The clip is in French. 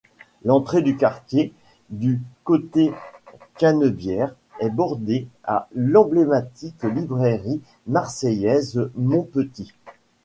L'entrée du quartier du côté Canebière est bordée par l'emblématique librairie marseillaise Maupetit.